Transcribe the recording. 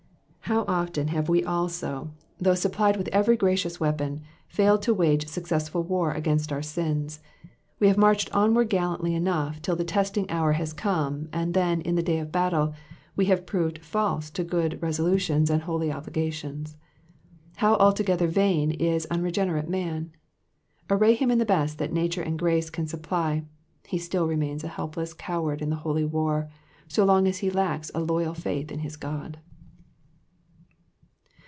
How often have we also, though supplied with every gracious weapon, failed to wage successful war against our sins, we have inarched onward gallantly enough till the testing hour has come, and then in the day of battle*' we have proved false (o good resolutions and holy obligations. How altogether vain is unregenerate man ! Array him in the best that nature and grace can supply, he still remains a helpless coward in the holy war, so long as he lacks a loyal faith in his God.